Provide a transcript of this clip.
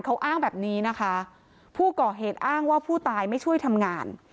เขาอ้างแบบนี้นะคะผู้ก่อเหตุอ้างว่าผู้ตายไม่ช่วยทำงาน